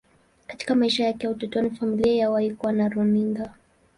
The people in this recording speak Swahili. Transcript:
Katika maisha yake ya utotoni, familia yao haikuwa na runinga.